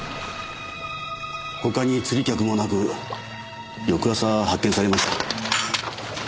他に釣り客もなく翌朝発見されました。